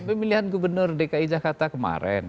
pemilihan gubernur dki jakarta kemarin